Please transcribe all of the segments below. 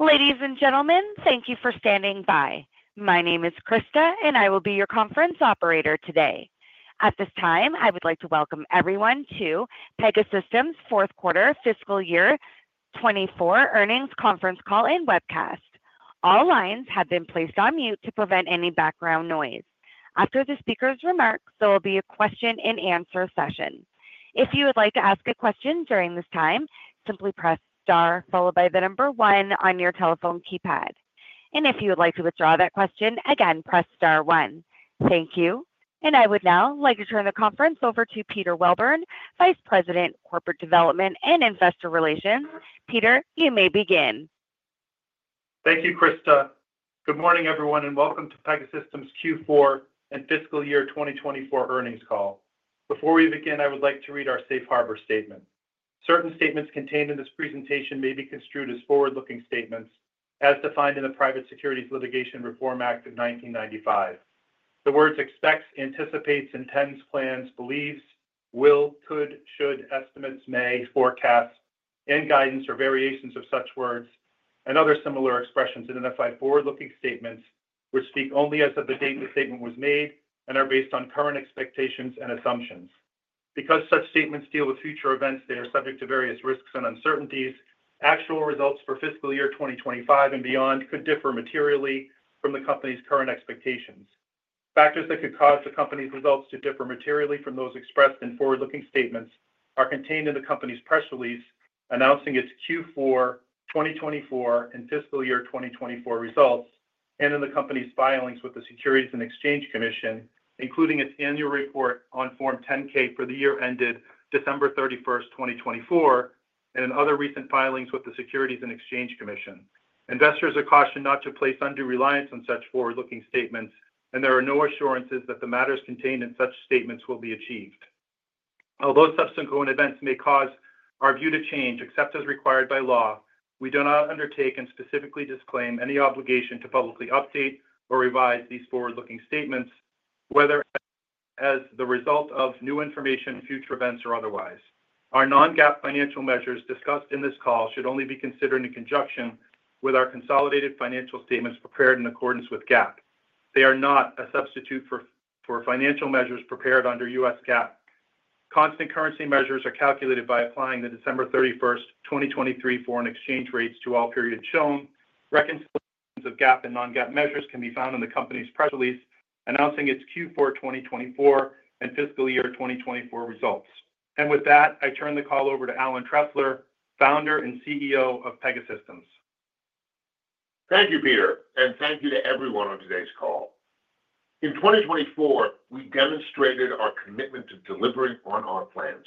Ladies and gentlemen, thank you for standing by. My name is Krista, and I will be your conference operator today. At this time, I would like to welcome everyone to Pegasystems' Q4 Fiscal Year 2024 Earnings conference call and webcast. All lines have been placed on mute to prevent any background noise. After the speaker's remarks, there will be a question-and-answer session. If you would like to ask a question during this time, simply press star followed by the number one on your telephone keypad. If you would like to withdraw that question, again, press star one. Thank you. I would now like to turn the conference over to Peter Welburn, Vice President, Corporate Development and Investor Relations. Peter, you may begin. Thank you, Krista. Good morning, everyone, and welcome to Pegasystems' Q4 and Fiscal Year 2024 Earnings call. Before we begin, I would like to read our Safe Harbor Statement. Certain statements contained in this presentation may be construed as forward-looking statements, as defined in the Private Securities Litigation Reform Act of 1995. The words expects, anticipates, intends, plans, believes, will, could, should, estimates, may, forecast, and guidance, or variations of such words, and other similar expressions identify forward-looking statements which speak only as of the date the statement was made and are based on current expectations and assumptions. Because such statements deal with future events that are subject to various risks and uncertainties, actual results for fiscal year 2025 and beyond could differ materially from the company's current expectations. Factors that could cause the company's results to differ materially from those expressed in forward-looking statements are contained in the company's press release announcing its Q4 2024 and fiscal year 2024 results, and in the company's filings with the Securities and Exchange Commission, including its annual report on Form 10-K for the year ended December 31st 2024, and in other recent filings with the Securities and Exchange Commission. Investors are cautioned not to place undue reliance on such forward-looking statements, and there are no assurances that the matters contained in such statements will be achieved. Although subsequent events may cause our view to change, except as required by law, we do not undertake and specifically disclaim any obligation to publicly update or revise these forward-looking statements, whether as the result of new information, future events, or otherwise. Our non-GAAP financial measures discussed in this call should only be considered in conjunction with our consolidated financial statements prepared in accordance with GAAP. They are not a substitute for financial measures prepared under U.S. GAAP. Constant currency measures are calculated by applying the December 31st 2023 foreign exchange rates to all periods shown. Reconciliations of GAAP and non-GAAP measures can be found in the company's press release announcing its Q4 2024 and fiscal year 2024 results. With that, I turn the call over to Alan Trefler, Founder and CEO of Pegasystems. Thank you, Peter, and thank you to everyone on today's call. In 2024, we demonstrated our commitment to delivering on our plans,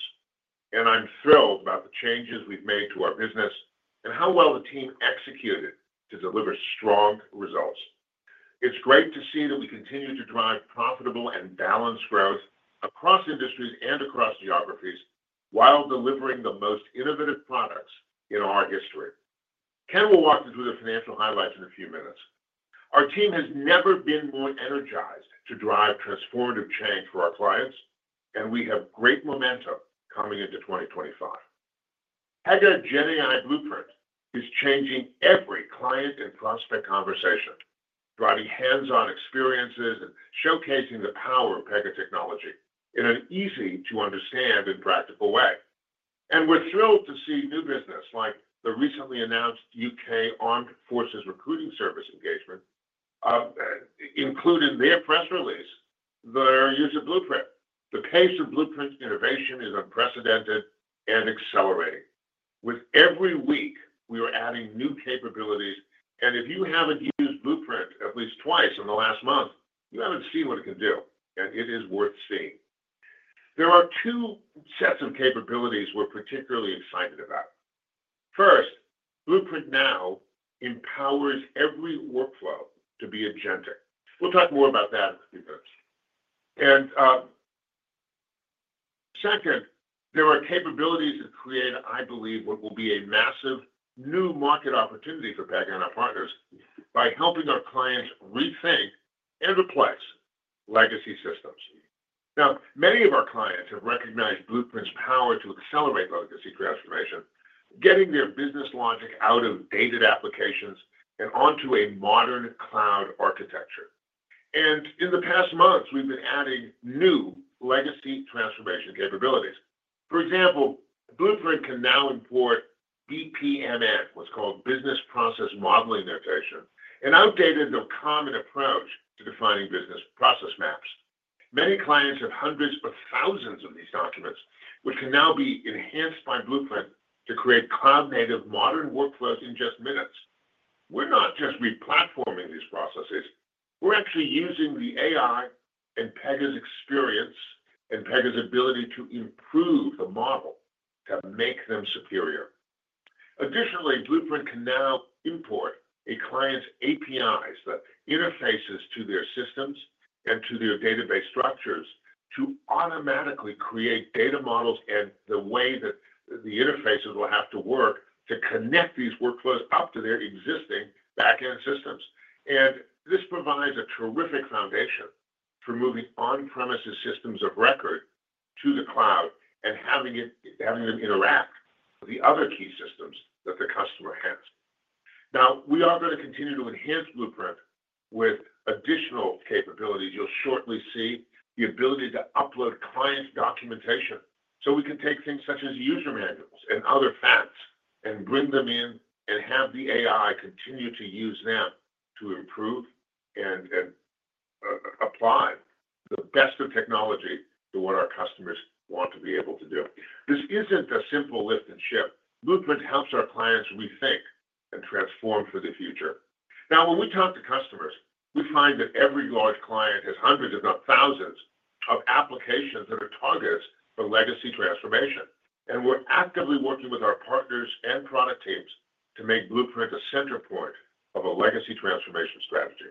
and I'm thrilled about the changes we've made to our business and how well the team executed to deliver strong results. It's great to see that we continue to drive profitable and balanced growth across industries and across geographies while delivering the most innovative products in our history. Ken will walk you through the financial highlights in a few minutes. Our team has never been more energized to drive transformative change for our clients, and we have great momentum coming into 2025. Pega GenAI Blueprint is changing every client and prospect conversation, driving hands-on experiences and showcasing the power of Pega technology in an easy-to-understand and practical way. We're thrilled to see new business like the recently announced UK Armed Forces recruiting service engagement included in their press release, their use of Blueprint. The pace of Blueprint's innovation is unprecedented and accelerating. With every week, we are adding new capabilities, and if you haven't used Blueprint at least twice in the last month, you haven't seen what it can do, and it is worth seeing. There are two sets of capabilities we're particularly excited about. First, Blueprint now empowers every workflow to be agentic. We'll talk more about that in a few minutes. Second, there are capabilities that create, I believe, what will be a massive new market opportunity for Pega and our partners by helping our clients Rethink and Replace legacy systems. Now, many of our clients have recognized Blueprint's power to accelerate legacy transformation, getting their business logic out of dated applications and onto a modern cloud architecture. In the past months, we've been adding new legacy transformation capabilities. For example, Blueprint can now import BPMN, what's called Business Process Model Notation, and outdates the common approach to defining business process maps. Many clients have hundreds of thousands of these documents, which can now be enhanced by Blueprint to create cloud-native modern workflows in just minutes. We're not just replatforming these processes. We're actually using the AI and Pega experience and Pega ability to improve the model to make them superior. Additionally, Blueprint can now import a client's APIs that interfaces to their systems and to their database structures to automatically create data models and the way that the interfaces will have to work to connect these workflows up to their existing back-end systems, and this provides a terrific foundation for moving on-premises systems of record to the cloud and having them interact with the other key systems that the customer has. Now, we are going to continue to enhance Blueprint with additional capabilities you'll shortly see: the ability to upload client documentation so we can take things such as user manuals and other facts and bring them in and have the AI continue to use them to improve and apply the best of technology to what our customers want to be able to do. This isn't a simple lift and shift. Blueprint helps our clients rethink and transform for the future. Now, when we talk to customers, we find that every large client has hundreds, if not thousands, of applications that are targets for legacy transformation, and we're actively working with our partners and product teams to make Blueprint a center point of a legacy transformation strategy.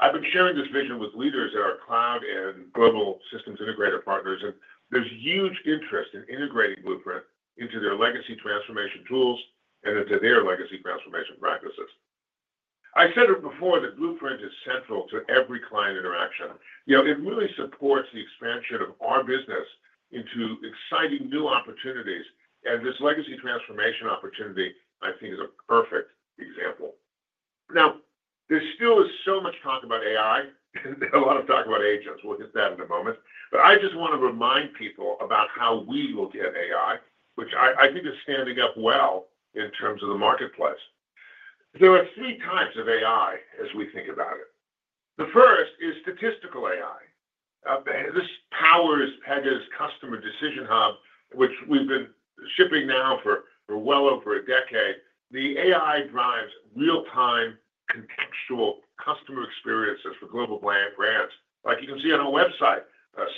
I've been sharing this vision with leaders at our cloud and global systems integrator partners, and there's huge interest in integrating Blueprint into their legacy transformation tools and into their legacy transformation practices. I said it before, that Blueprint is central to every client interaction. It really supports the expansion of our business into exciting new opportunities, and this legacy transformation opportunity, I think, is a perfect example. Now, there still is so much talk about AI, and a lot of talk about agents. We'll get to that in a moment. But I just want to remind people about how we will get AI, which I think is standing up well in terms of the marketplace. There are three types of AI as we think about it. The first is statistical AI. This powers Pega Customer Decision Hub, which we've been shipping now for well over a decade. The AI drives real-time contextual customer experiences for global brands. Like you can see on our website,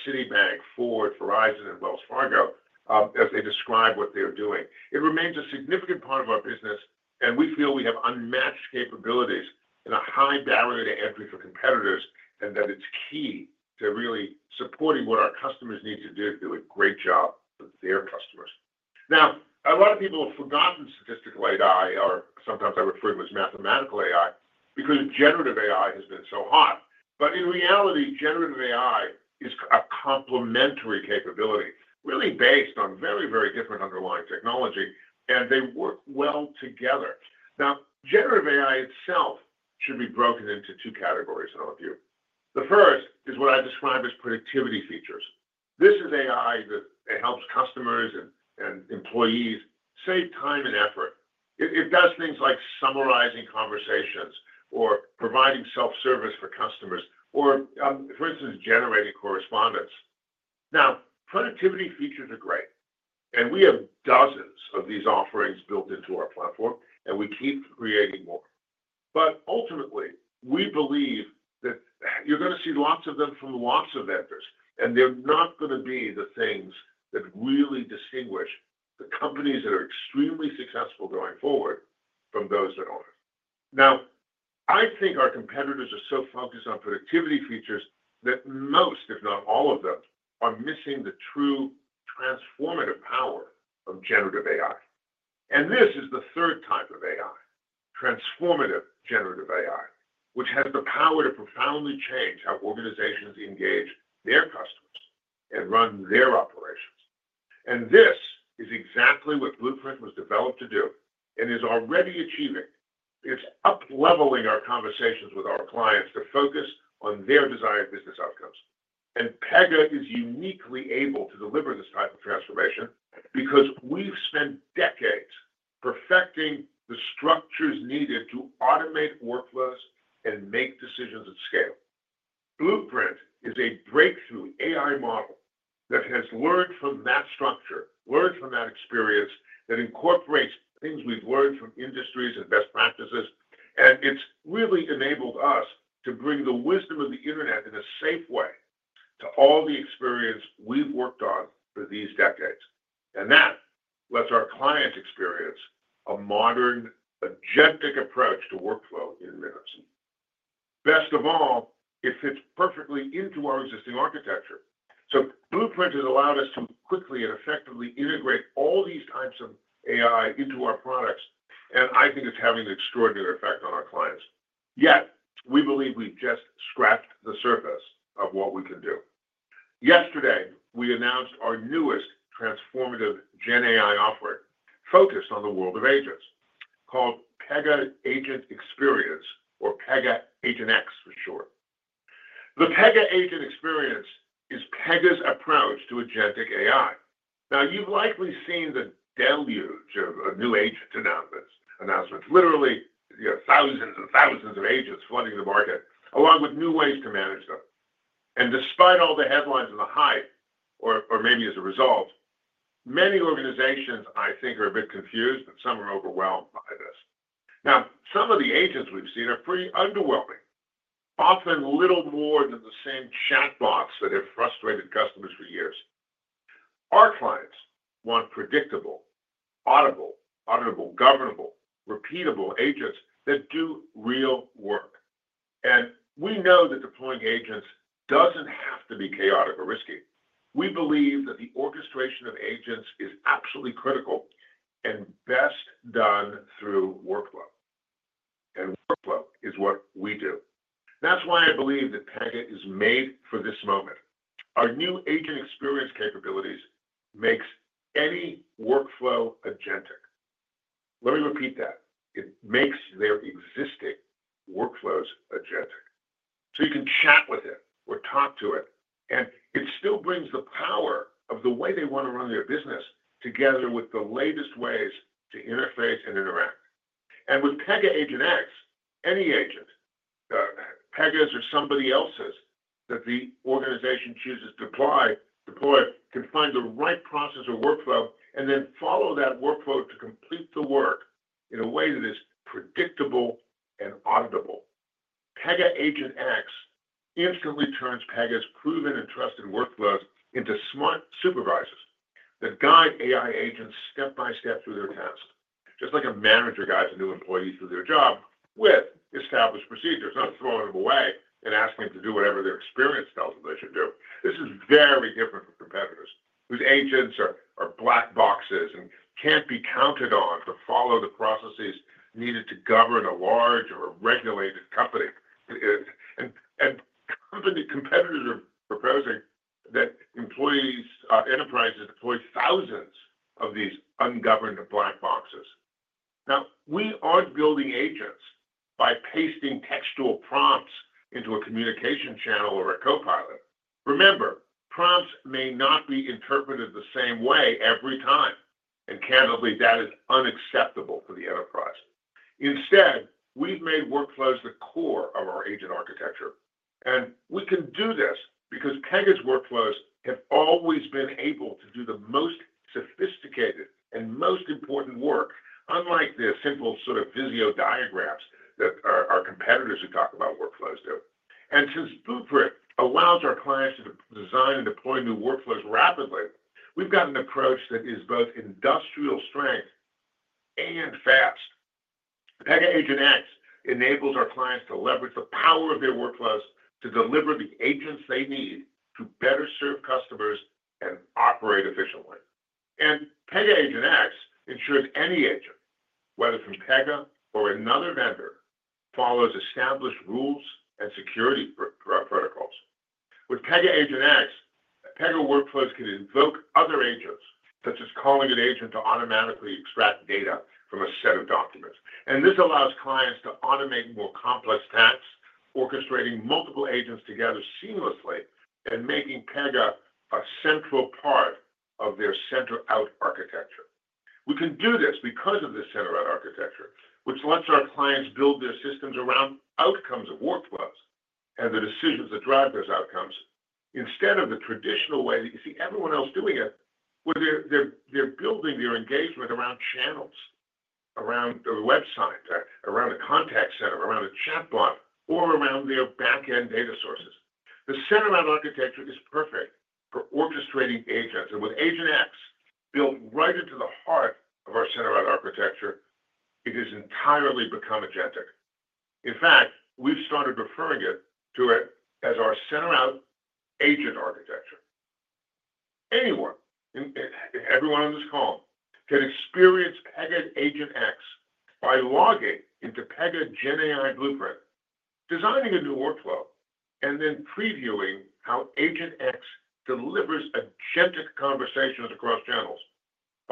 Citibank, Ford, Verizon, and Wells Fargo as they describe what they're doing. It remains a significant part of our business, and we feel we have unmatched capabilities and a high barrier to entry for competitors, and that it's key to really supporting what our customers need to do to do a great job for their customers. Now, a lot of people have forgotten statistical AI, or sometimes I refer to it as mathematical AI, because generative AI has been so hot. In reality, generative AI is a complementary capability really based on very, very different underlying technology, and they work well together. Now, generative AI itself should be broken into two categories, in our view. The first is what I describe as productivity features. This is AI that helps customers and employees save time and effort. It does things like summarizing conversations or providing self-service for customers or, for instance, generating correspondence. Now, productivity features are great, and we have dozens of these offerings built into our platform, and we keep creating more. But ultimately, we believe that you're going to see lots of them from lots of vendors, and they're not going to be the things that really distinguish the companies that are extremely successful going forward from those that aren't. Now, I think our competitors are so focused on predictive features that most, if not all of them, are missing the true transformative power of generative AI. This is the third type of AI, transformative generative AI, which has the power to profoundly change how organizations engage their customers and run their operations. This is exactly what Blueprint was developed to do and is already achieving. It's upleveling our conversations with our clients to focus on their desired business outcomes. Pega is uniquely able to deliver this type of transformation because we've spent decades perfecting the structures needed to automate workflows and make decisions at scale. Blueprint is a breakthrough AI model that has learned from that structure, learned from that experience that incorporates things we've learned from industries and best practices. It really enabled us to bring the wisdom of the internet in a safe way to all the experience we've worked on for these decades. That lets our clients experience a modern, agentic approach to workflow in minutes. Best of all, it fits perfectly into our existing architecture. Blueprint has allowed us to quickly and effectively integrate all these types of AI into our products, and I think it's having an extraordinary effect on our clients. Yet, we believe we've just scratched the surface of what we can do. Yesterday, we announced our newest transformative GenAI offering focused on the world of agents called Pega Agent Experience, or Pega AgentX for short. The Pega Agent Experience is Pega approach to agentic AI. Now, you've likely seen the deluge of new agent announcements. Literally, thousands and thousands of agents flooding the market along with new ways to manage them. Despite all the headlines and the hype, or maybe as a result, many organizations, I think, are a bit confused, and some are overwhelmed by this. Now, some of the agents we've seen are pretty underwhelming, often little more than the same chatbots that have frustrated customers for years. Our clients want predictable, audible, auditable, governable, repeatable agents that do real work. We know that deploying agents doesn't have to be chaotic or risky. We believe that the orchestration of agents is absolutely critical and best done through workflow. Workflow is what we do. That's why I believe that Pega is made for this moment. Our new agent experience capabilities make any workflow agentic. Let me repeat that. It makes their existing workflows agentic, so you can chat with it or talk to it, and it still brings the power of the way they want to run their business together with the latest ways to interface and interact, and with Pega AgentX, any agent, Pega or somebody else's that the organization chooses to deploy, can find the right process or workflow and then follow that workflow to complete the work in a way that is predictable and auditable. Pega AgentX instantly turns Pega proven and trusted workflows into smart supervisors that guide AI agents step by step through their tasks, just like a manager guides a new employee through their job with established procedures, not throwing them away and asking them to do whatever their experience tells them they should do. This is very different from competitors whose agents are black boxes and can't be counted on to follow the processes needed to govern a large or regulated company. Competitors are proposing that enterprises deploy thousands of these ungoverned black boxes. Now, we aren't building agents by pasting textual prompts into a communication channel or a copilot. Remember, prompts may not be interpreted the same way every time, and candidly, that is unacceptable for the enterprise. Instead, we've made workflows the core of our agent architecture. We can do this because Pega workflows have always been able to do the most sophisticated and most important work, unlike the simple sort of Visio diagrams that our competitors who talk about workflows do. Since Blueprint allows our clients to design and deploy new workflows rapidly, we've got an approach that is both industrial strength and fast. Pega AgentX enables our clients to leverage the power of their workflows to deliver the agents they need to better serve customers and operate efficiently. Pega AgentX ensures any agent, whether from Pega or another vendor, follows established rules and security protocols. With Pega AgentX, Pega workflows can invoke other agents, such as calling an agent to automatically extract data from a set of documents. This allows clients to automate more complex tasks, orchestrating multiple agents together seamlessly and making Pega a central part of their Center-out architecture. We can do this because of the Center-out architecture, which lets our clients build their systems around outcomes of workflows and the decisions that drive those outcomes instead of the traditional way that you see everyone else doing it, where they're building their engagement around channels, around the website, around a contact center, around a chatbot, or around their back-end data sources. The Center-out architecture is perfect for orchestrating agents, and with Agent X built right into the heart of our Center-out architecture, it has entirely become agentic. In fact, we've started referring to it as our Center-out agent architecture. Anyone, everyone on this call, can experience Pega AgentX by logging into Pega GenAI Blueprint, designing a new workflow, and then previewing how Agent X delivers agentic conversations across channels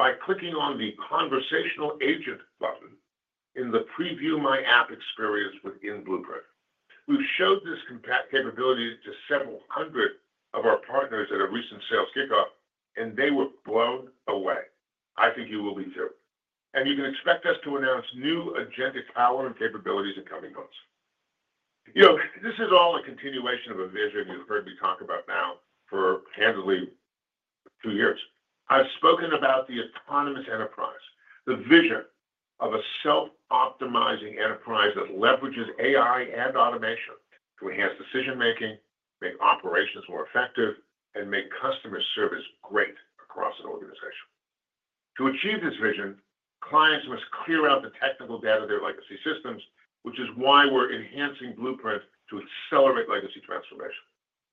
by clicking on the conversational agent button in the Preview My App experience within Blueprint. We've showed this capability to several hundred of our partners at a recent sales kickoff, and they were blown away. I think you will be too. You can expect us to announce new agentic power and capabilities in coming months. This is all a continuation of a vision you've heard me talk about now for, candidly, two years. I've spoken about the autonomous enterprise, the vision of a self-optimizing enterprise that leverages AI and automation to enhance decision-making, make operations more effective, and make customer service great across an organization. To achieve this vision, clients must clear out the technical debt of their legacy systems, which is why we're enhancing Blueprint to accelerate legacy transformation.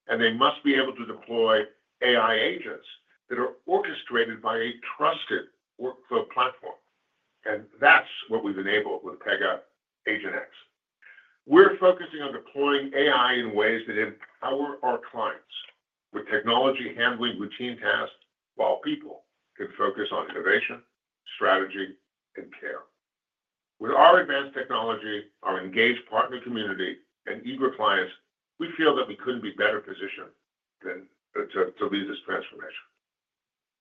They must be able to deploy AI agents that are orchestrated by a trusted workflow platform. That's what we've enabled with Pega AgentX. We're focusing on deploying AI in ways that empower our clients with technology handling routine tasks while people can focus on innovation, strategy, and care. With our advanced technology, our engaged partner community, and eager clients, we feel that we couldn't be better positioned to lead this transformation.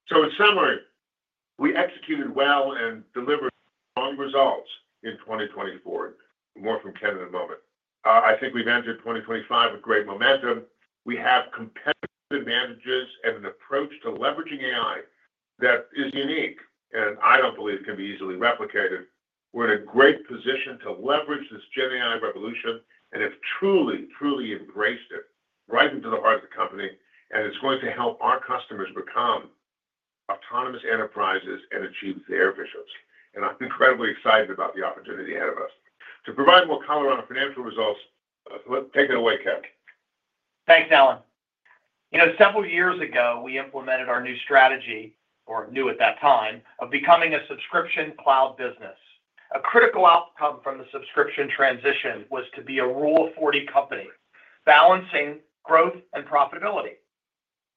So in summary, we executed well and delivered strong results in 2024. More from Ken in a moment. I think we've entered 2025 with great momentum. We have competitive advantages and an approach to leveraging AI that is unique, and I don't believe it can be easily replicated. We're in a great position to leverage this GenAI revolution and have truly, truly embraced it right into the heart of the company. It's going to help our customers become autonomous enterprises and achieve their visions. I'm incredibly excited about the opportunity ahead of us. To provide more color on our financial results, take it away, Ken. Thanks, Alan. Several years ago, we implemented our new strategy, or knew at that time, of becoming a subscription cloud business. A critical outcome from the subscription transition was to be a Rule of 40 company, balancing growth and profitability.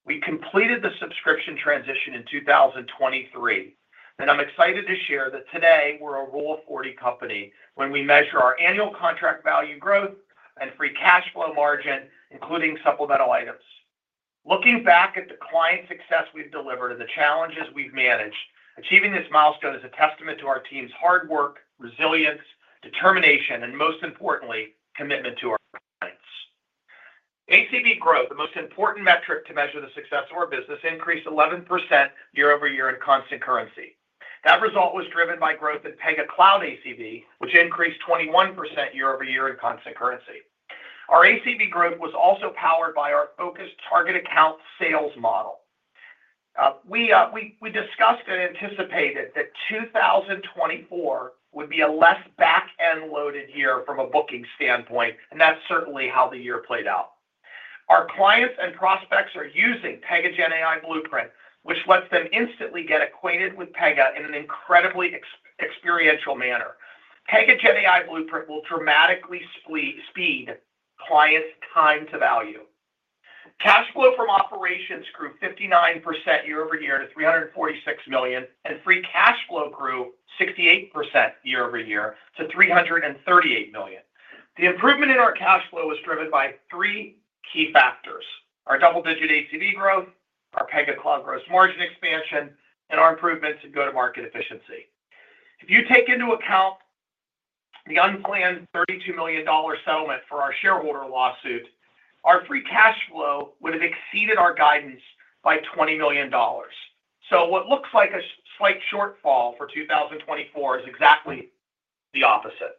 We completed the subscription transition in 2023, and I'm excited to share that today we're a Rule of 40 company when we measure our annual contract value growth and free cash flow margin, including supplemental items. Looking back at the client success we've delivered and the challenges we've managed, achieving this milestone is a testament to our team's hard work, resilience, determination, and most importantly, commitment to our clients. ACV growth, the most important metric to measure the success of our business, increased 11% year-over-year in constant currency. That result was driven by growth in Pega Cloud ACV, which increased 21% year-over-year in constant currency. Our ACV growth was also powered by our focused target account sales model. We discussed and anticipated that 2024 would be a less back-end loaded year from a booking standpoint, and that's certainly how the year played out. Our clients and prospects are using Pega GenAI Blueprint, which lets them instantly get acquainted with Pega in an incredibly experiential manner. Pega GenAI Blueprint will dramatically speed clients' time to value. Cash flow from operations grew 59% year-over-year to $346 million, and free cash flow grew 68% year-over-year to $338 million. The improvement in our cash flow was driven by three key factors: our double-digit ACV growth, our Pega Cloud gross margin expansion, and our improvements in go-to-market efficiency. If you take into account the unplanned $32 million settlement for our shareholder lawsuit, our free cash flow would have exceeded our guidance by $20 million. So what looks like a slight shortfall for 2024 is exactly the opposite.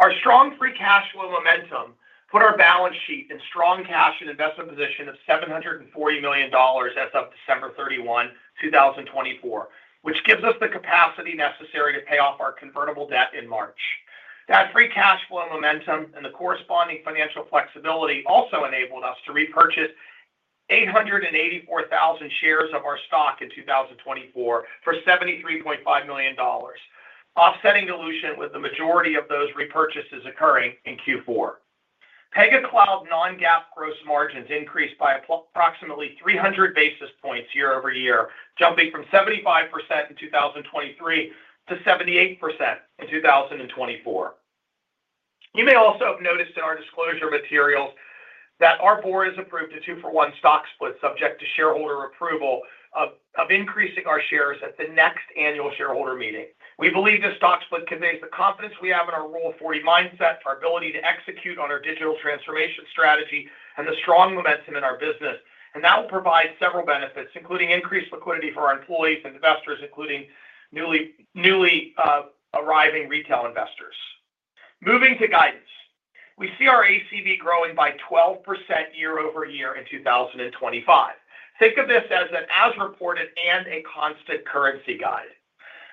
Our strong free cash flow momentum put our balance sheet in strong cash and investment position of $740 million as of December 31, 2024, which gives us the capacity necessary to pay off our convertible debt in March. That free cash flow momentum and the corresponding financial flexibility also enabled us to repurchase 884,000 shares of our stock in 2024 for $73.5 million, offsetting dilution with the majority of those repurchases occurring in Q4. Pega Cloud non-GAAP gross margins increased by approximately 300 basis points year-over-year, jumping from 75% in 2023 to 78% in 2024. You may also have noticed in our disclosure materials that our board has approved a two-for-one stock split subject to shareholder approval of increasing our shares at the next annual shareholder meeting. We believe this stock split conveys the confidence we have in our Rule of 40 mindset, our ability to execute on our digital transformation strategy, and the strong momentum in our business, and that will provide several benefits, including increased liquidity for our employees and investors, including newly arriving retail investors. Moving to guidance, we see our ACV growing by 12% year-over-year in 2025. Think of this as an as-reported and a constant currency guide.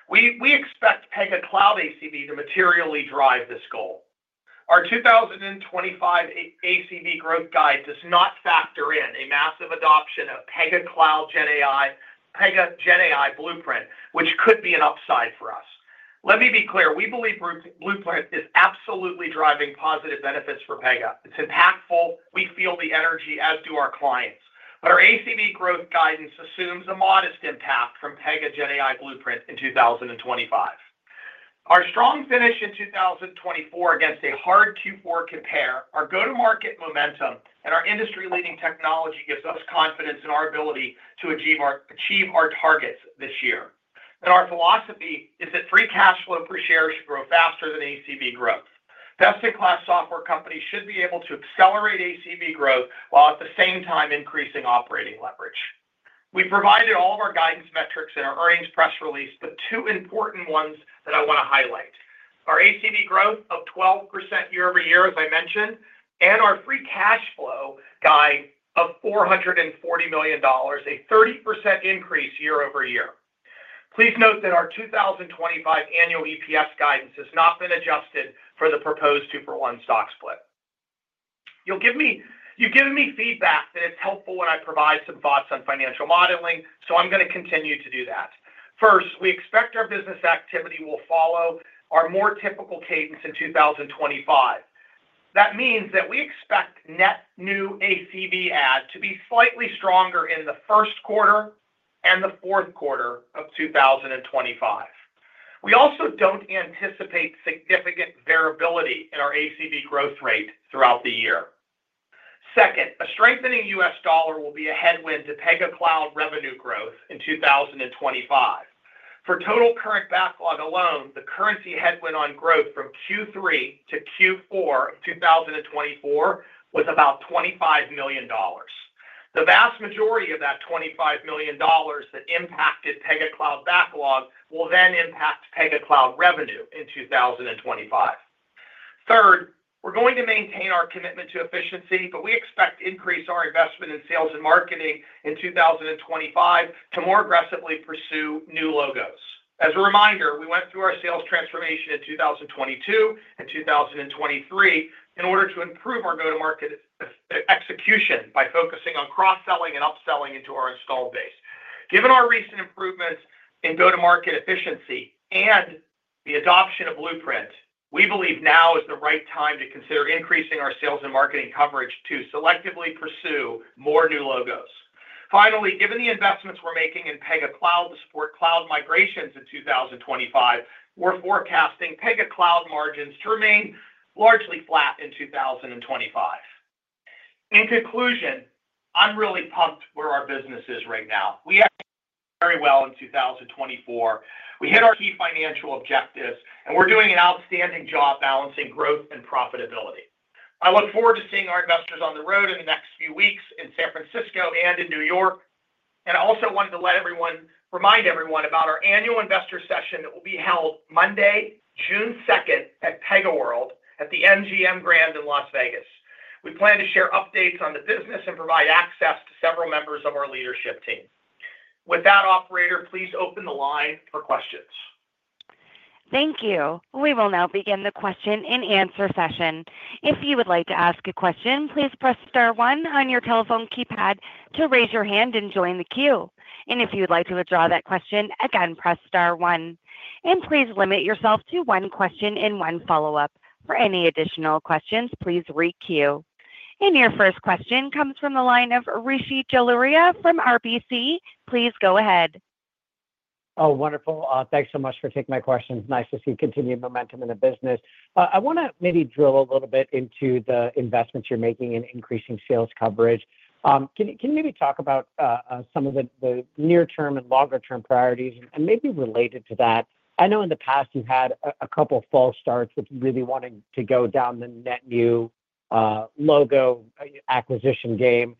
We expect Pega Cloud ACV to materially drive this goal. Our 2025 ACV growth guide does not factor in a massive adoption of Pega GenAI Blueprint, which could be an upside for us. Let me be clear. We believe Blueprint is absolutely driving positive benefits for Pega. It's impactful. We feel the energy, as do our clients. Our ACV growth guidance assumes a modest impact from Pega GenAI Blueprint in 2025. Our strong finish in 2024 against a hard Q4 compare, our go-to-market momentum, and our industry-leading technology gives us confidence in our ability to achieve our targets this year. Our philosophy is that free cash flow per share should grow faster than ACV growth. Best-in-class software companies should be able to accelerate ACV growth while at the same time increasing operating leverage. We provided all of our guidance metrics in our earnings press release, but two important ones that I want to highlight. Our ACV growth of 12% year-over-year, as I mentioned, and our free cash flow guide of $440 million, a 30% increase year-over-year. Please note that our 2025 annual EPS guidance has not been adjusted for the proposed two-for-one stock split. You've given me feedback that it's helpful when I provide some thoughts on financial modeling, so I'm going to continue to do that. First, we expect our business activity will follow our more typical cadence in 2025. That means that we expect net new ACV add to be slightly stronger in the Q1 and the Q4 of 2025. We also don't anticipate significant variability in our ACV growth rate throughout the year. Second, a strengthening U.S. dollar will be a headwind to Pega Cloud revenue growth in 2025. For total current backlog alone, the currency headwind on growth from Q3 to Q4 of 2024 was about $25 million. The vast majority of that $25 million that impacted Pega Cloud backlog will then impact Pega Cloud revenue in 2025. Third, we're going to maintain our commitment to efficiency, but we expect to increase our investment in sales and marketing in 2025 to more aggressively pursue new logos. As a reminder, we went through our sales transformation in 2022 and 2023 in order to improve our go-to-market execution by focusing on cross-selling and upselling into our installed base. Given our recent improvements in go-to-market efficiency and the adoption of Blueprint, we believe now is the right time to consider increasing our sales and marketing coverage to selectively pursue more new logos. Finally, given the investments we're making in Pega Cloud to support cloud migrations in 2025, we're forecasting Pega Cloud margins to remain largely flat in 2025. In conclusion, I'm really pumped where our business is right now. We actually did very well in 2024. We hit our key financial objectives, and we're doing an outstanding job balancing growth and profitability. I look forward to seeing our investors on the road in the next few weeks in San Francisco and in New York. I also wanted to remind everyone about our annual investor session that will be held Monday, June 2nd, at PegaWorld at the MGM Grand in Las Vegas. We plan to share updates on the business and provide access to several members of our leadership team. With that, operator, please open the line for questions. Thank you. We will now begin the question and answer session. If you would like to ask a question, please press star one on your telephone keypad to raise your hand and join the queue. If you would like to withdraw that question, again, press star one. Please limit yourself to one question and one follow-up. For any additional questions, please re-queue. Your first question comes from the line of Rishi Jaluria from RBC. Please go ahead. Oh, wonderful. Thanks so much for taking my questions. Nice to see continued momentum in the business. I want to maybe drill a little bit into the investments you're making in increasing sales coverage. Can you maybe talk about some of the near-term and longer-term priorities and maybe related to that? I know in the past you've had a couple of false starts with really wanting to go down the net new logo acquisition game.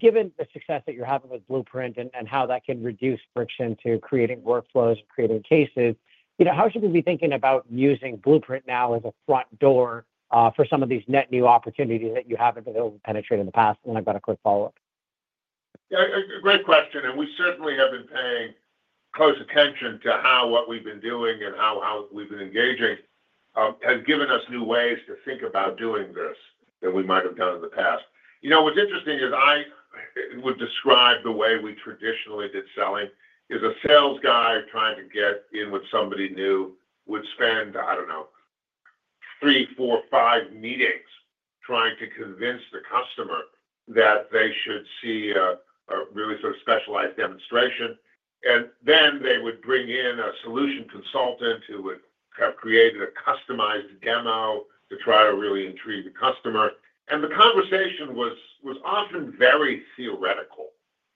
Given the success that you're having with Blueprint and how that can reduce friction to creating workflows and creating cases, how should we be thinking about using Blueprint now as a front door for some of these net new opportunities that you haven't been able to penetrate in the past? I've got a quick follow-up. Great question. We certainly have been paying close attention to how what we've been doing and how we've been engaging has given us new ways to think about doing this than we might have done in the past. What's interesting is I would describe the way we traditionally did selling as a sales guy trying to get in with somebody new would spend, I don't know, three, four, five meetings trying to convince the customer that they should see a really sort of specialized demonstration. And then they would bring in a solution consultant who would have created a customized demo to try to really intrigue the customer. The conversation was often very theoretical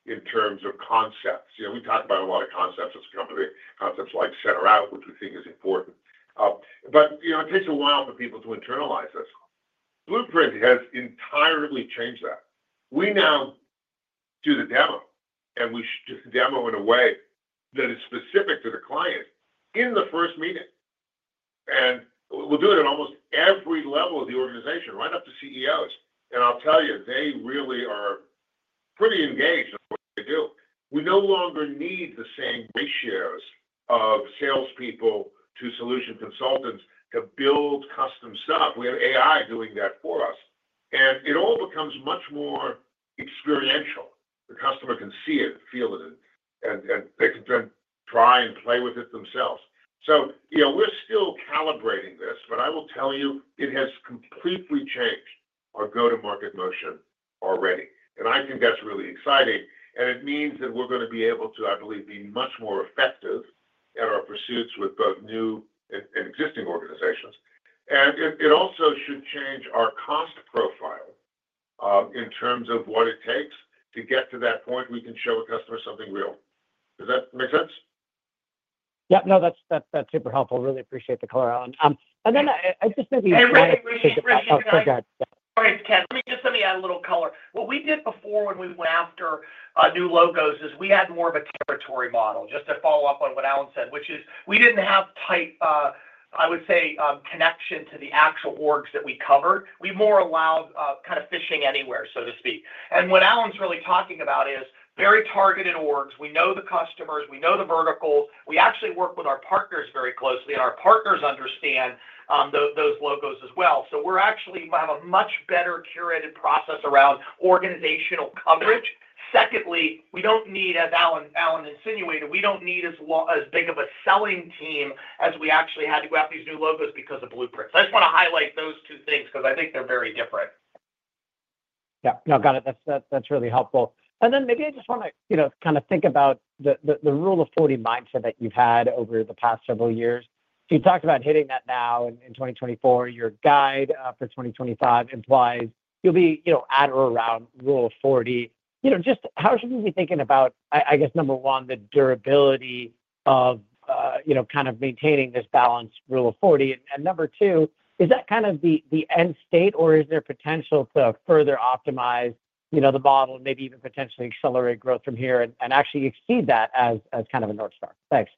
in terms of concepts. We talk about a lot of concepts as a company, concepts like Center-out, which we think is important. It takes a while for people to internalize this. Blueprint has entirely changed that. We now do the demo, and we just demo in a way that is specific to the client in the first meeting. We'll do it at almost every level of the organization, right up to CEOs. I'll tell you, they really are pretty engaged in what they do. We no longer need the same ratios of salespeople to solution consultants to build custom stuff. We have AI doing that for us. It all becomes much more experiential. The customer can see it, feel it, and they can then try and play with it themselves. So we're still calibrating this, but I will tell you, it has completely changed our go-to-market motion already. I think that's really exciting. It means that we're going to be able to, I believe, be much more effective at our pursuits with both new and existing organizations. It also should change our cost profile in terms of what it takes to get to that point we can show a customer something real. Does that make sense? Yep. No, that's super helpful. Really appreciate the color, Alan. Then I just maybe. I really appreciate the question. Sorry, Ken. Just let me add a little color. What we did before when we went after new logos is we had more of a territory model, just to follow up on what Alan said, which is we didn't have tight, I would say, connection to the actual orgs that we covered. We more allowed kind of fishing anywhere, so to speak. What Alan's really talking about is very targeted orgs. We know the customers. We know the verticals. We actually work with our partners very closely, and our partners understand those logos as well. So we have a much better curated process around organizational coverage. Secondly, we don't need, as Alan insinuated, we don't need as big of a selling team as we actually had to go after these new logos because of Blueprint. So I just want to highlight those two things because I think they're very different. Yeah. No, got it. That's really helpful. Then maybe I just want to kind of think about the Rule of 40 mindset that you've had over the past several years. You talked about hitting that now in 2024. Your guide for 2025 implies you'll be at or around Rule of 40. Just how should we be thinking about, I guess, number one, the durability of kind of maintaining this balanced Rule of 40? Number two, is that kind of the end state, or is there potential to further optimize the model, maybe even potentially accelerate growth from here and actually exceed that as kind of a North Star? Thanks.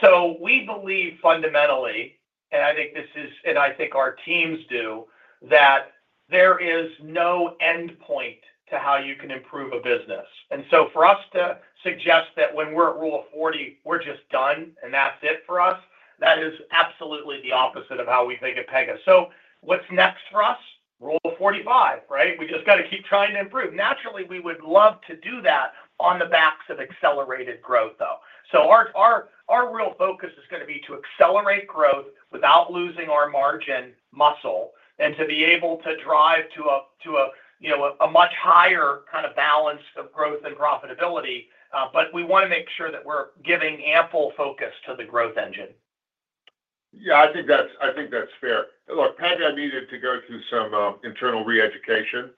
So we believe fundamentally, and I think this is, and I think our teams do, that there is no endpoint to how you can improve a business. For us to suggest that when we're at Rule of 40, we're just done, and that's it for us, that is absolutely the opposite of how we think at Pega, so what's next for us? Rule of 45, right? We just got to keep trying to improve. Naturally, we would love to do that on the backs of accelerated growth, though, so our real focus is going to be to accelerate growth without losing our margin muscle and to be able to drive to a much higher kind of balance of growth and profitability, but we want to make sure that we're giving ample focus to the growth engine. Yeah, I think that's fair. Look, Pega needed to go through some internal reeducation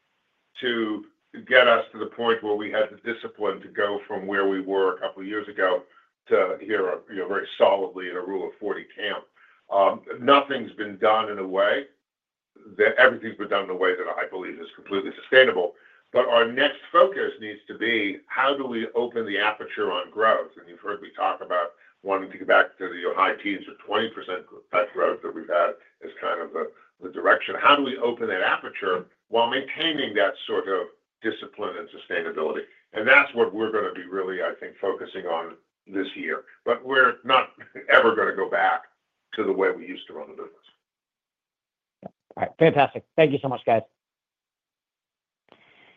to get us to the point where we had the discipline to go from where we were a couple of years ago to here very solidly in a Rule of 40 camp. Nothing's been done in a way that everything's been done in a way that I believe is completely sustainable. Our next focus needs to be how do we open the aperture on growth? You've heard me talk about wanting to get back to the high teens of 20% growth that we've had as kind of the direction. How do we open that aperture while maintaining that sort of discipline and sustainability? That's what we're going to be really, I think, focusing on this year. We're not ever going to go back to the way we used to run the business. Fantastic. Thank you so much, guys.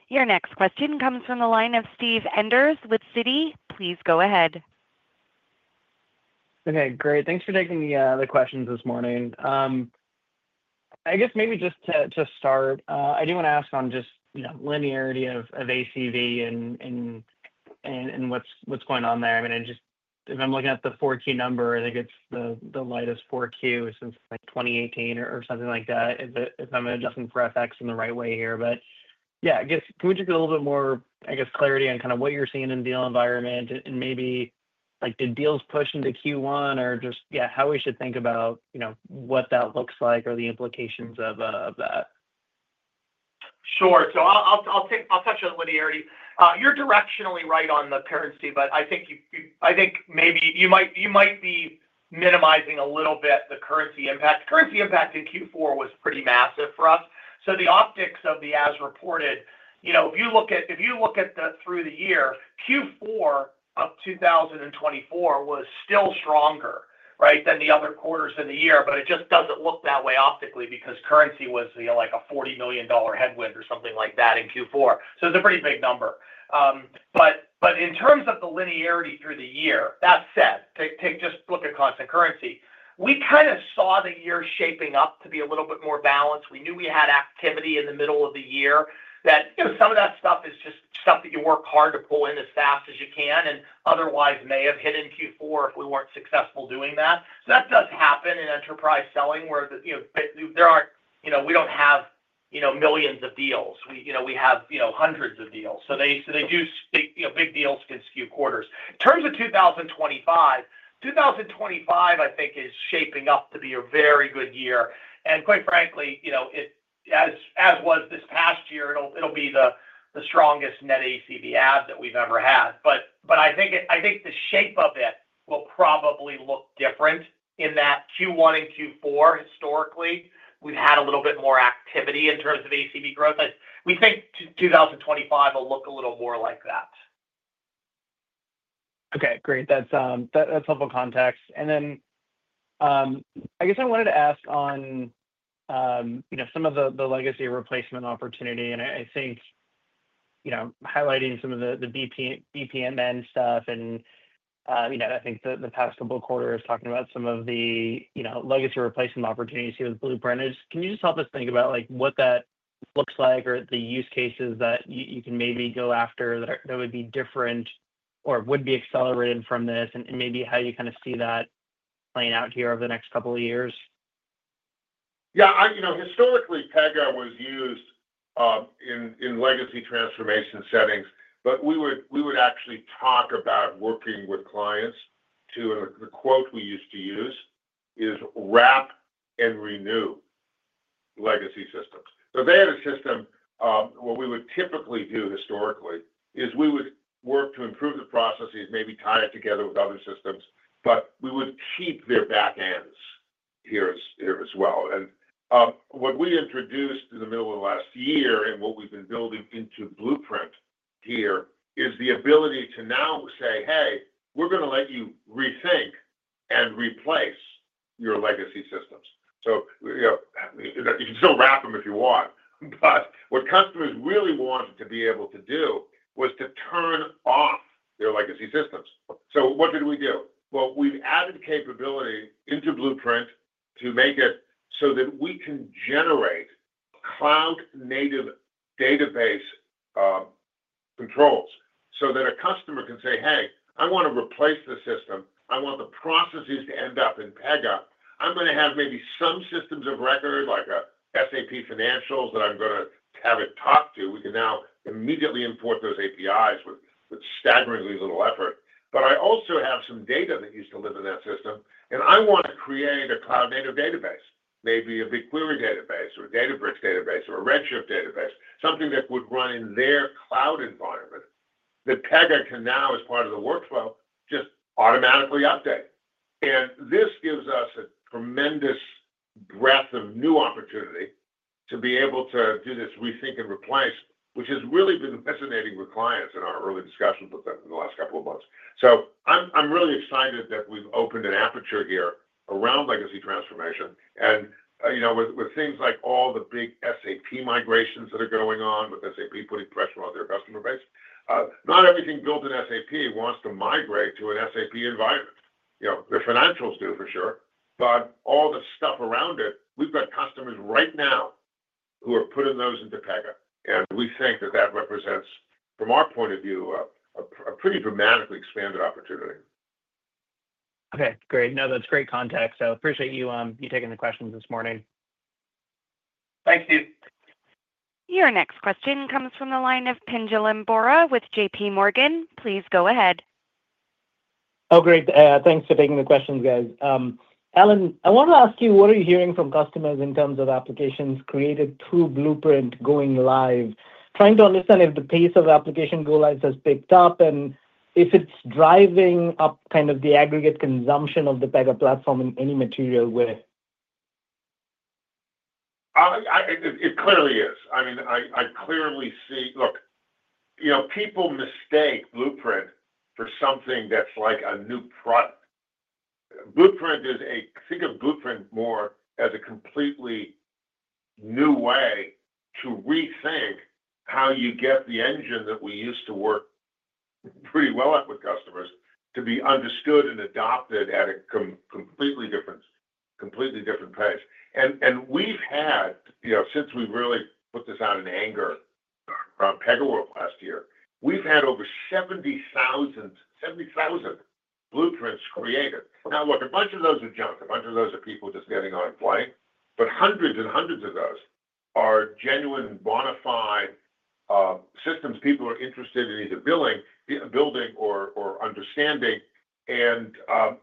Your next question comes from the line of Steve Enders with Citi. Please go ahead. Okay. Great. Thanks for taking the questions this morning. I guess maybe just to start, I do want to ask on just linearity of ACV and what's going on there. I mean, if I'm looking at the 4Q number, I think it's the lightest 4Q since 2018 or something like that, if I'm adjusting for FX in the right way here. Yeah, I guess can we just get a little bit more, I guess, clarity on kind of what you're seeing in the deal environment and maybe did deals push into Q1 or just, yeah, how we should think about what that looks like or the implications of that? Sure. So I'll touch on linearity. You're directionally right on the currency, but I think maybe you might be minimizing a little bit the currency impact. Currency impact in Q4 was pretty massive for us. So the optics of the as reported, if you look at through the year, Q4 of 2024 was still stronger, right, than the other quarters of the year, but it just doesn't look that way optically because currency was like a $40 million headwind or something like that in Q4. So it's a pretty big number. In terms of the linearity through the year, that said, just look at constant currency. We kind of saw the year shaping up to be a little bit more balanced. We knew we had activity in the middle of the year, that some of that stuff is just stuff that you work hard to pull in as fast as you can and otherwise may have hit in Q4 if we weren't successful doing that. So that does happen in enterprise selling where there aren't, we don't have millions of deals. We have hundreds of deals. So they do. Big deals can skew quarters. In terms of 2025, 2025, I think, is shaping up to be a very good year. Quite frankly, as was this past year, it'll be the strongest net ACV add that we've ever had. I think the shape of it will probably look different in that Q1 and Q4, historically, we've had a little bit more activity in terms of ACV growth. We think 2025 will look a little more like that. Okay. Great. That's helpful context. Then I guess I wanted to ask on some of the legacy replacement opportunity. I think highlighting some of the BPMN stuff and I think the past couple of quarters talking about some of the legacy replacement opportunities here with Blueprint, can you just help us think about what that looks like or the use cases that you can maybe go after that would be different or would be accelerated from this and maybe how you kind of see that playing out here over the next couple of years? Yeah. Historically, Pega was used in legacy transformation settings, but we would actually talk about working with clients to, and the quote we used to use is, "Wrap and renew legacy systems." So they had a system where we would typically do historically is we would work to improve the processes, maybe tie it together with other systems, but we would keep their back ends here as well. What we introduced in the middle of the last year and what we've been building into Blueprint here is the ability to now say, "Hey, we're going to let you Rethink and Replace your legacy systems." So you can still wrap them if you want. What customers really wanted to be able to do was to turn off their legacy systems. So what did we do? We've added capability into Blueprint to make it so that we can generate cloud-native database controls so that a customer can say, "Hey, I want to replace the system. I want the processes to end up in Pega. I'm going to have maybe some systems of record, like SAP Financials, that I'm going to have it talk to." We can now immediately import those APIs with staggeringly little effort. I also have some data that used to live in that system, and I want to create a cloud-native database, maybe a BigQuery database or a Databricks database or a Redshift database, something that would run in their cloud environment that Pega can now, as part of the workflow, just automatically update. And this gives us a tremendous breadth of new opportunity to be able to do this Rethink and Replace, which has really been fascinating with clients in our early discussions with them in the last couple of months. So I'm really excited that we've opened an aperture here around legacy transformation. With things like all the big SAP migrations that are going on, with SAP putting pressure on their customer base, not everything built in SAP wants to migrate to an SAP environment. Their financials do, for sure. All the stuff around it, we've got customers right now who are putting those into Pega. We think that that represents, from our point of view, a pretty dramatically expanded opportunity. Okay. Great. No, that's great context. I appreciate you taking the questions this morning. Thank you. Your next question comes from the line of Pinjalim Bora with J.P. Morgan. Please go ahead. Oh, great. Thanks for taking the questions, guys. Alan, I want to ask you, what are you hearing from customers in terms of applications created through Blueprint going live? Trying to understand if the pace of application go-lives has picked up and if it's driving up kind of the aggregate consumption of the Pega Platform in any material way. It clearly is. I mean, I clearly see, look, people mistake Blueprint for something that's like a new product. Blueprint is a, think of Blueprint more as a completely new way to rethink how you get the engine that we used to work pretty well up with customers to be understood and adopted at a completely different pace. We've had, since we really put this out in anger around Pega last year, we've had over 70,000 Blueprints created. Now, look, a bunch of those are junk. A bunch of those are people just getting on a plane. Hundreds and hundreds of those are genuine bona fide systems people are interested in either building or understanding.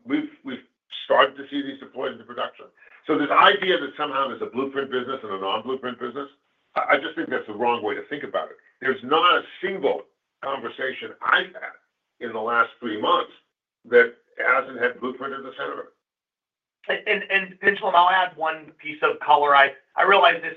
We've started to see these deployed into production. So this idea that somehow there's a Blueprint business and a non-Blueprint business, I just think that's the wrong way to think about it. There's not a single conversation I've had in the last three months that hasn't had Blueprint in the center of it. And Pinjalim, I'll add one piece of color. I realize this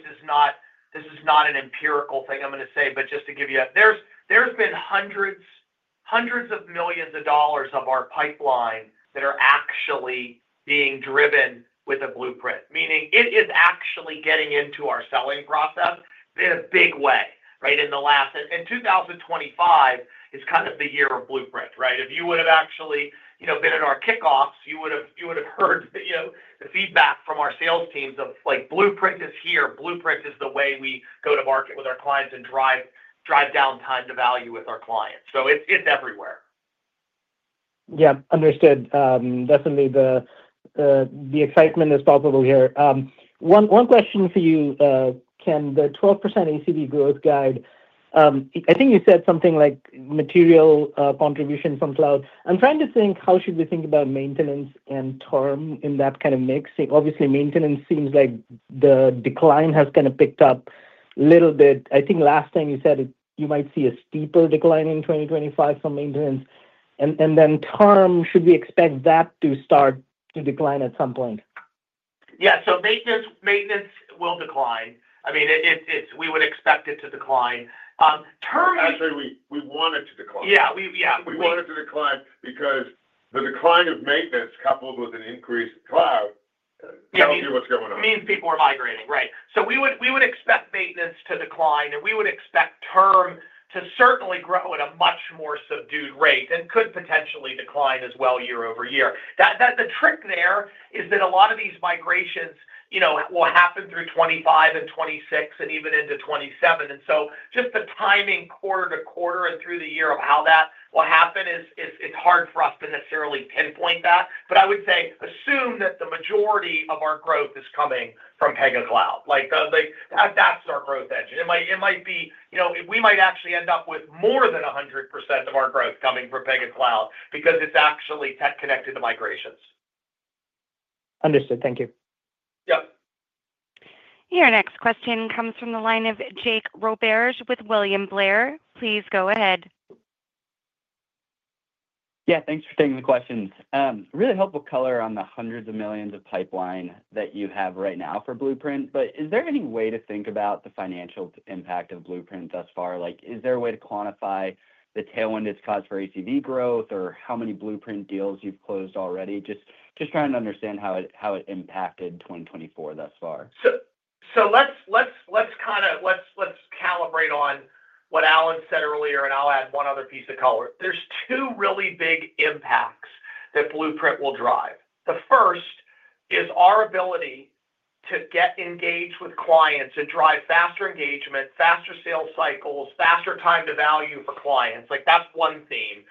is not an empirical thing I'm going to say, but just to give you a, there's been hundreds of millions of dollars of our pipeline that are actually being driven with a Blueprint, meaning it is actually getting into our selling process in a big way, right, in the last, and 2025 is kind of the year of Blueprint, right? If you would have actually been at our kickoffs, you would have heard the feedback from our sales teams of, "Blueprint is here. Blueprint is the way we go to market with our clients and drive down time to value with our clients." So it's everywhere. Yeah. Understood. Definitely, the excitement is palpable here. One question for you. Can the 12% ACV growth guide, I think you said something like material contribution from cloud? I'm trying to think how should we think about maintenance and term in that kind of mix? Obviously, maintenance seems like the decline has kind of picked up a little bit. I think last time you said you might see a steeper decline in 2025 for maintenance. Then term, should we expect that to start to decline at some point? Yeah. So maintenance will decline. I mean, we would expect it to decline. Term is. Actually, we want it to decline. Yeah. Yeah. We want it to decline because the decline of maintenance coupled with an increase in cloud tells you what's going on. Means people are migrating, right? So we would expect maintenance to decline, and we would expect term to certainly grow at a much more subdued rate and could potentially decline as well year over year. The trick there is that a lot of these migrations will happen through 2025 and 2026 and even into 2027. So just the timing quarter to quarter and through the year of how that will happen, it's hard for us to necessarily pinpoint that. I would say assume that the majority of our growth is coming from Pega Cloud. That's our growth engine. It might be; we might actually end up with more than 100% of our growth coming from Pega Cloud because it's actually tech connected to migrations. Understood. Thank you. Yep. Your next question comes from the line of Jake Roberge with William Blair. Please go ahead. Yeah. Thanks for taking the questions. Really helpful color on the hundreds of millions of pipeline that you have right now for Blueprint. Is there any way to think about the financial impact of Blueprint thus far? Is there a way to quantify the tailwind it's caused for ACV growth or how many Blueprint deals you've closed already? Just trying to understand how it impacted 2024 thus far. So let's calibrate on what Alan said earlier, and I'll add one other piece of color. There's two really big impacts that Blueprint will drive. The first is our ability to get engaged with clients and drive faster engagement, faster sales cycles, faster time to value for clients. That's one theme.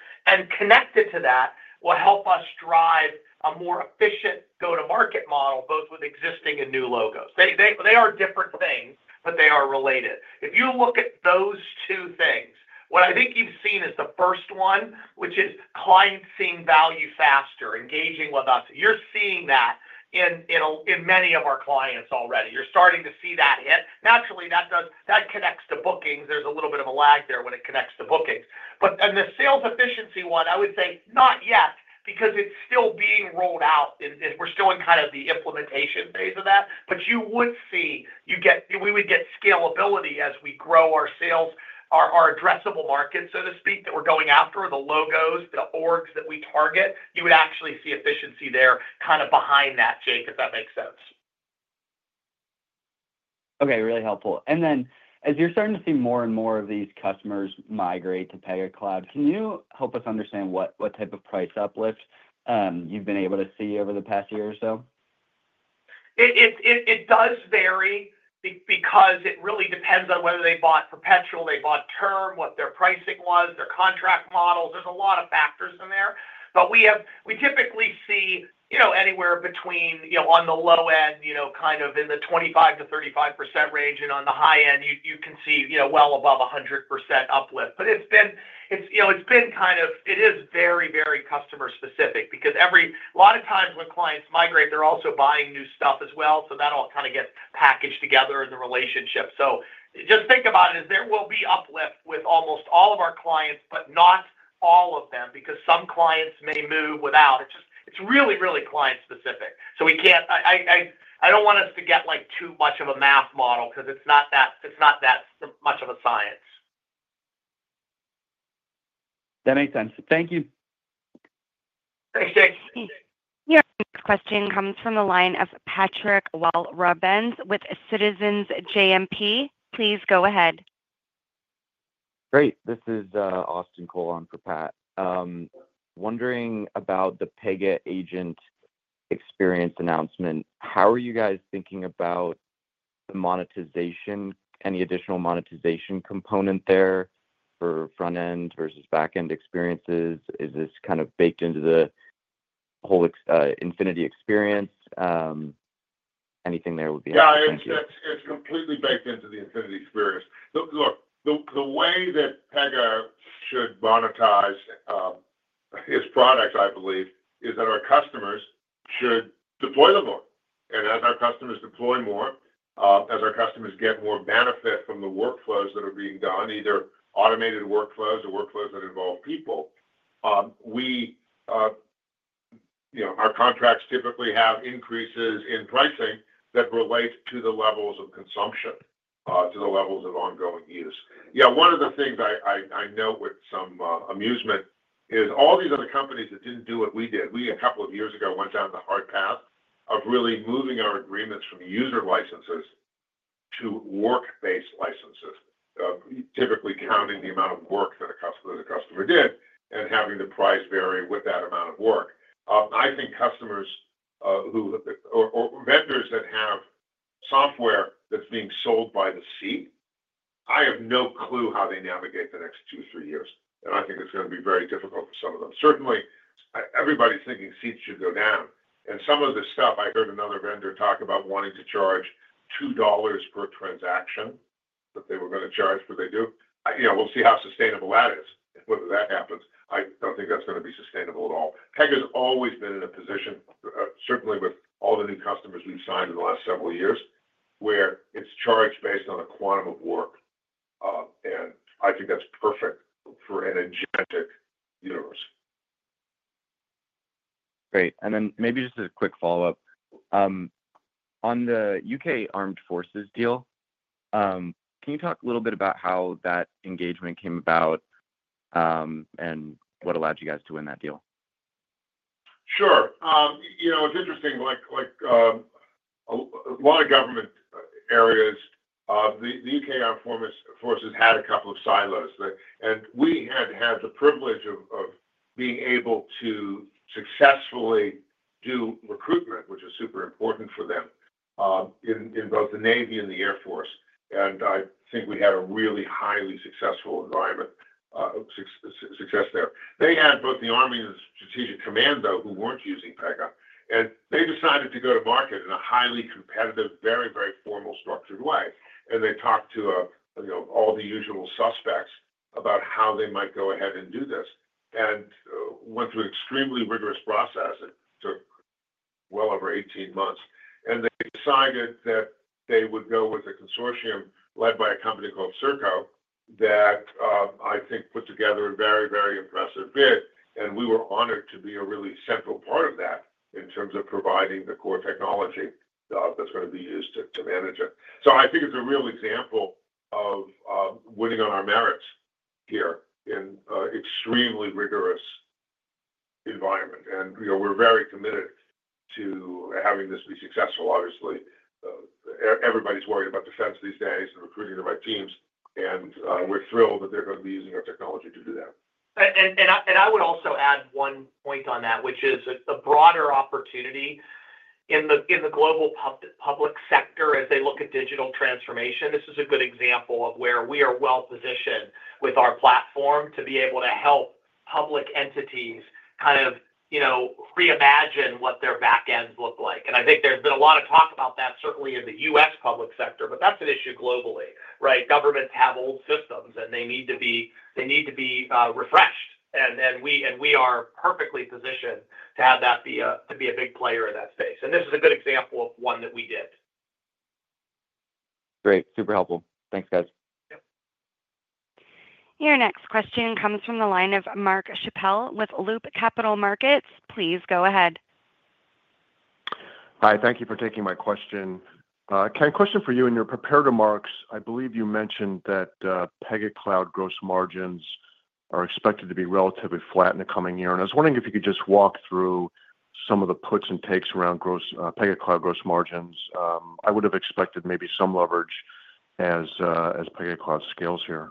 Connected to that will help us drive a more efficient go-to-market model, both with existing and new logos. They are different things, but they are related. If you look at those two things, what I think you've seen is the first one, which is clients seeing value faster, engaging with us. You're seeing that in many of our clients already. You're starting to see that hit. Naturally, that connects to bookings. There's a little bit of a lag there when it connects to bookings. The sales efficiency one, I would say not yet because it's still being rolled out, and we're still in kind of the implementation phase of that. You would see, we would get scalability as we grow our addressable market, so to speak, that we're going after, the logos, the orgs that we target. You would actually see efficiency there kind of behind that, Jake, if that makes sense. Okay. Really helpful. Then as you're starting to see more and more of these customers migrate to Pega Cloud, can you help us understand what type of price uplift you've been able to see over the past year or so? It does vary because it really depends on whether they bought perpetual, they bought term, what their pricing was, their contract models. There's a lot of factors in there. We typically see anywhere between on the low end, kind of in the 25%-35% range, and on the high end, you can see well above 100% uplift. It's been kind of. It is very, very customer-specific because a lot of times when clients migrate, they're also buying new stuff as well. So that all kind of gets packaged together in the relationship. So just think about it as there will be uplift with almost all of our clients, but not all of them because some clients may move without. It's really, really client-specific. So I don't want us to get too much of a math model because it's not that much of a science. That makes sense. Thank you. Thanks, Jake. Your next question comes from the line of Patrick Walravens with Citizens JMP. Please go ahead. Great. This is Austin Cole for Pat. Wondering about the Pega Agent Experience announcement. How are you guys thinking about the monetization, any additional monetization component there for front-end versus back-end experiences? Is this kind of baked into the whole Infinity experience? Anything there would be helpful. Yeah. It's completely baked into the Infinity experience. Look, the way that Pegasystems should monetize its products, I believe, is that our customers should deploy them more, and as our customers deploy more, as our customers get more benefit from the workflows that are being done, either automated workflows or workflows that involve people, our contracts typically have increases in pricing that relate to the levels of consumption, to the levels of ongoing use. Yeah. One of the things I note with some amusement is all these other companies that didn't do what we did. We, a couple of years ago, went down the hard path of really moving our agreements from user licenses to work-based licenses, typically counting the amount of work that a customer did and having the price vary with that amount of work. I think customers or vendors that have software that's being sold by the seat, I have no clue how they navigate the next two, three years, and I think it's going to be very difficult for some of them. Certainly, everybody's thinking seats should go down, and some of the stuff I heard another vendor talk about wanting to charge $2 per transaction that they were going to charge, but they do. We'll see how sustainable that is. Whether that happens, I don't think that's going to be sustainable at all. Pegasystems has always been in a position, certainly with all the new customers we've signed in the last several years, where it's charged based on a quantum of work. I think that's perfect for an agentic universe. Great. Then maybe just a quick follow-up. On the UK Armed Forces deal, can you talk a little bit about how that engagement came about and what allowed you guys to win that deal? Sure. It's interesting. A lot of government areas, the UK Armed Forces had a couple of silos. We had had the privilege of being able to successfully do recruitment, which is super important for them in both the Navy and the Air Force. I think we had a really highly successful environment, success there. They had both the Army and the Strategic Command, though, who weren't using Pega, and they decided to go to market in a highly competitive, very, very formal structured way, and they talked to all the usual suspects about how they might go ahead and do this and went through an extremely rigorous process. It took well over 18 months, and they decided that they would go with a consortium led by a company called Serco that I think put together a very, very impressive bid, and we were honored to be a really central part of that in terms of providing the core technology that's going to be used to manage it, so I think it's a real example of winning on our merits here in an extremely rigorous environment, and we're very committed to having this be successful, obviously. Everybody's worried about defense these days and recruiting the right teams. We're thrilled that they're going to be using our technology to do that. And I would also add one point on that, which is a broader opportunity in the global public sector as they look at digital transformation. This is a good example of where we are well positioned with our platform to be able to help public entities kind of reimagine what their back ends look like. I think there's been a lot of talk about that, certainly in the U.S. public sector, but that's an issue globally, right? Governments have old systems, and they need to be refreshed. We are perfectly positioned to have that be a big player in that space. This is a good example of one that we did. Great. Super helpful. Thanks, guys. Yep. Your next question comes from the line of Mark Schappel with Loop Capital Markets. Please go ahead. Hi. Thank you for taking my question. Ken, question for you. In your prepared remarks, I believe you mentioned that Pega Cloud gross margins are expected to be relatively flat in the coming year. I was wondering if you could just walk through some of the puts and takes around Pega Cloud gross margins. I would have expected maybe some leverage as Pega Cloud scales here.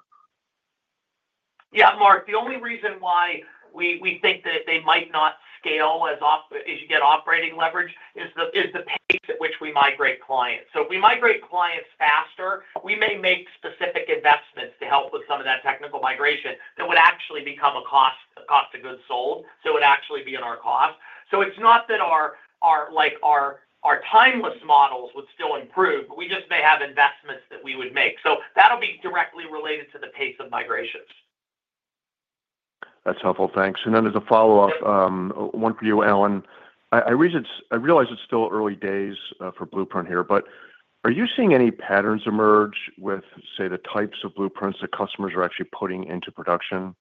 Yeah. Mark, the only reason why we think that they might not scale as you get operating leverage is the pace at which we migrate clients. So if we migrate clients faster, we may make specific investments to help with some of that technical migration that would actually become a cost of goods sold. So it would actually be in our cost. So it's not that our timeless models would still improve. We just may have investments that we would make. So that'll be directly related to the pace of migrations. That's helpful. Thanks. Then as a follow-up, one for you, Alan. I realize it's still early days for Blueprint here, but are you seeing any patterns emerge with, say, the types of Blueprints that customers are actually putting into production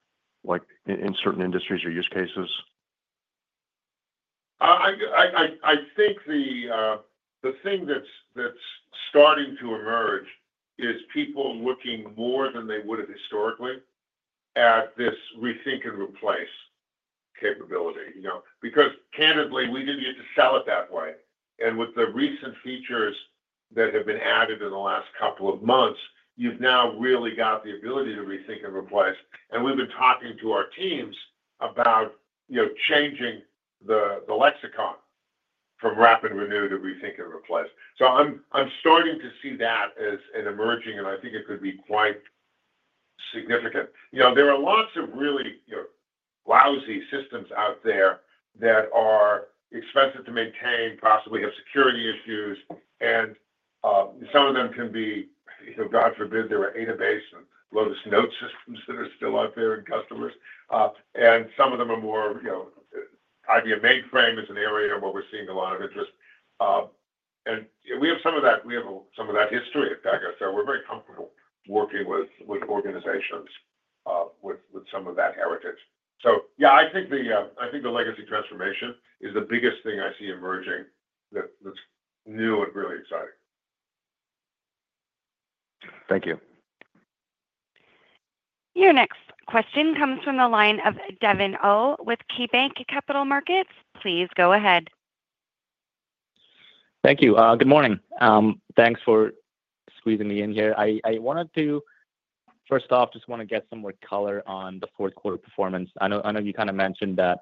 in certain industries or use cases? I think the thing that's starting to emerge is people looking more than they would have historically at this Rethink and Replace capability. Because candidly, we didn't get to sell it that way. With the recent features that have been added in the last couple of months, you've now really got the ability to Rethink and Replace. We’ve been talking to our teams about changing the lexicon from Wrap and Renew to Rethink and Replace. I’m starting to see that as an emerging, and I think it could be quite significant. There are lots of really lousy systems out there that are expensive to maintain, possibly have security issues. Some of them can be, God forbid, there are database and Lotus Notes systems that are still out there in customers. Some of them are more, IBM mainframe is an area where we’re seeing a lot of interest. We have some of that. We have some of that history at Pega. We’re very comfortable working with organizations with some of that heritage. Yeah, I think the legacy transformation is the biggest thing I see emerging that’s new and really exciting. Thank you. Your next question comes from the line of Devin Au with KeyBanc Capital Markets. Please go ahead. Thank you. Good morning. Thanks for squeezing me in here. I wanted to, first off, just want to get some more color on the Q4 performance. I know you kind of mentioned that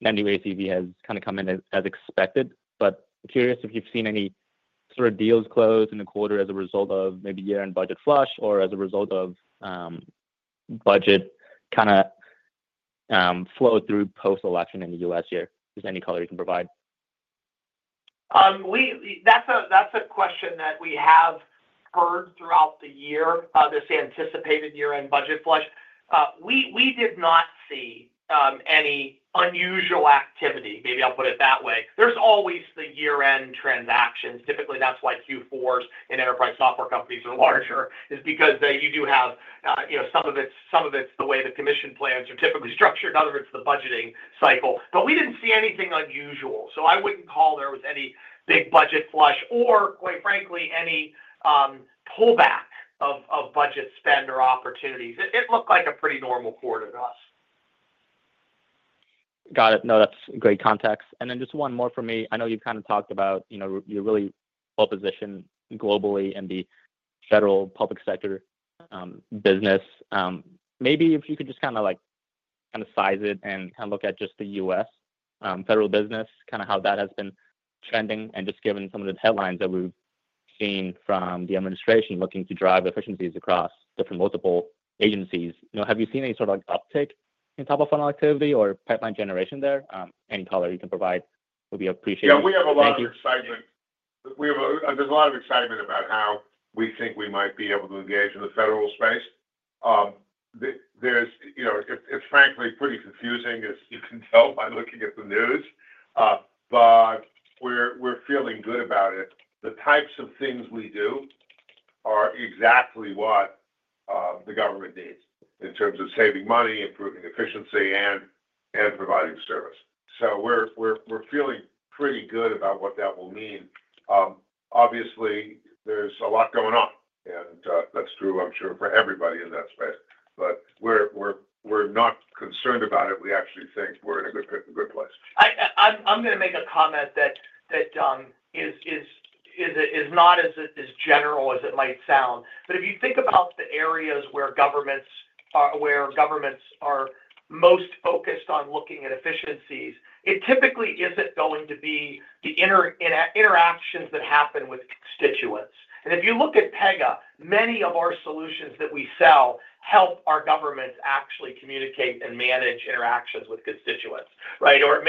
the new ACV has kind of come in as expected, but curious if you've seen any sort of deals close in the quarter as a result of maybe year-end budget flush or as a result of budget kind of flow through post-election in the U.S. year. Is there any color you can provide? That's a question that we have heard throughout the year, this anticipated year-end budget flush. We did not see any unusual activity. Maybe I'll put it that way. There's always the year-end transactions. Typically, that's why Q4s in enterprise software companies are larger, is because you do have some of it is the way the commission plans are typically structured. Other of it is the budgeting cycle. We didn't see anything unusual. So I wouldn't call there was any big budget flush or, quite frankly, any pullback of budget spend or opportunities. It looked like a pretty normal quarter to us. Got it. No, that's great context. Then just one more for me. I know you've kind of talked about you're really well positioned globally in the federal public sector business. Maybe if you could just kind of size it and kind of look at just the US federal business, kind of how that has been trending and just given some of the headlines that we've seen from the administration looking to drive efficiencies across different multiple agencies. Have you seen any sort of uptake in top of funnel activity or pipeline generation there? Any color you can provide would be appreciated. Yeah. We have a lot of excitement. There's a lot of excitement about how we think we might be able to engage in the federal space. It's frankly pretty confusing, as you can tell by looking at the news. We're feeling good about it. The types of things we do are exactly what the government needs in terms of saving money, improving efficiency, and providing service. So we're feeling pretty good about what that will mean. Obviously, there's a lot going on. That's true, I'm sure, for everybody in that space. We're not concerned about it. We actually think we're in a good place. I'm going to make a comment that is not as general as it might sound. If you think about the areas where governments are most focused on looking at efficiencies, it typically isn't going to be the interactions that happen with constituents. If you look at Pegasystems, many of our solutions that we sell help our governments actually communicate and manage interactions with constituents, right? Or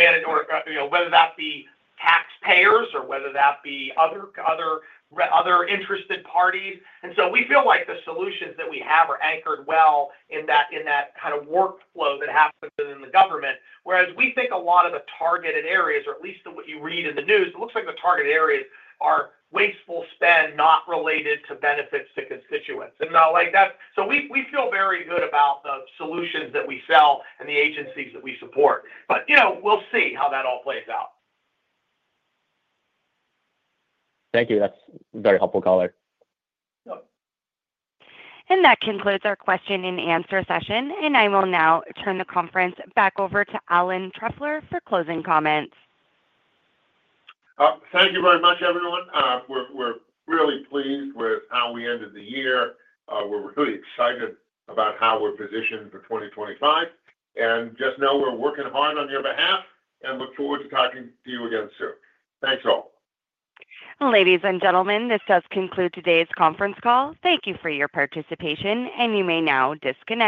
whether that be taxpayers or whether that be other interested parties. So we feel like the solutions that we have are anchored well in that kind of workflow that happens within the government. Whereas we think a lot of the targeted areas, or at least what you read in the news, it looks like the targeted areas are wasteful spend not related to benefits to constituents. So we feel very good about the solutions that we sell and the agencies that we support. We'll see how that all plays out. Thank you. That's very helpful color. That concludes our question and answer session. I will now turn the conference back over to Alan Trefler for closing comments. Thank you very much, everyone. We're really pleased with how we ended the year. We're really excited about how we're positioned for 2025. Just know we're working hard on your behalf and look forward to talking to you again soon. Thanks all. Ladies and gentlemen, this does conclude today's conference call. Thank you for your participation, and you may now disconnect.